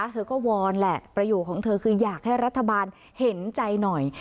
เธอก็วอนแหละประโยคของเธอคืออยากให้รัฐบาลเห็นใจหน่อย